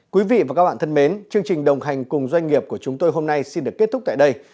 quý vị và các bạn thân mến chương trình đồng hành cùng doanh nghiệp của chúng tôi hôm nay xin được kết thúc tại đây